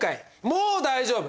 もう大丈夫！